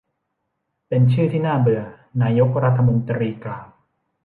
เป็นชื่อที่น่าเบื่อ นายกรัฐมนตรีกล่าว